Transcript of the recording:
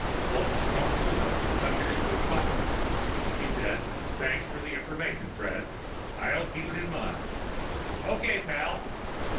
_ Walton crumpled the note and tucked it into his pocket. He said, "Thanks for the information, Fred. I'll keep it in mind." "Okay, pal."